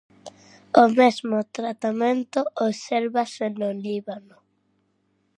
O mesmo tratamento obsérvase no Líbano.